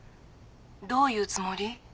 どういうつもり？